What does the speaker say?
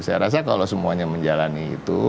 saya rasa kalau semuanya menjalani itu